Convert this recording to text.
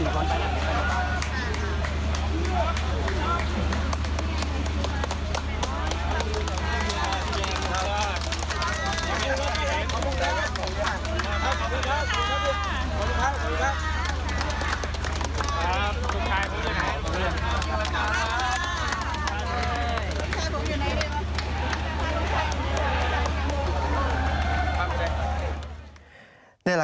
ขอบคุณค่ะ